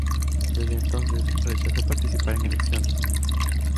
Desde entonces rechazó participar en elecciones.